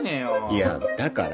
いやだから。